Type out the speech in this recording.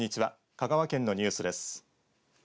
香川県のニュースです。